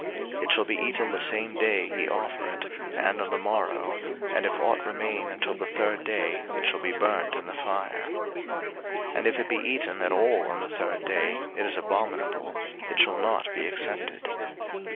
03:019:006 It shall be eaten the same day ye offer it, and on the morrow: and if ought remain until the third day, it shall be burnt in the fire. 03:019:007 And if it be eaten at all on the third day, it is abominable; it shall not be accepted.